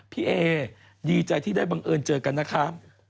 พี่เอดีใจที่ได้บังเอิญเจอกันนะคะ